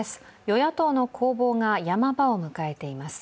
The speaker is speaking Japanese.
与野党の攻防がヤマ場を迎えています。